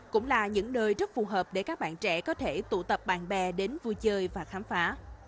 cũng là những nơi rất phù hợp để các bạn trẻ có thể tụ tập bạn bè đến vui chơi và khám phá